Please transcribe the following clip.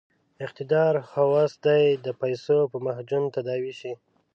اقتدار هوس یې د پیسو په معجون تداوي شي.